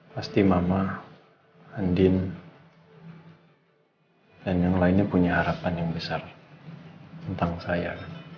pasti mama andin dan yang lainnya punya harapan yang besar tentang saya